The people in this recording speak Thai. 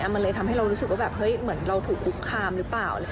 มันเลยทำให้เรารู้สึกว่าแบบเฮ้ยเหมือนเราถูกคุกคามหรือเปล่า